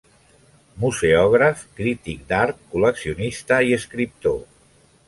Museògraf, crític d'art, col·leccionista i escriptor.